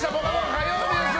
火曜日です。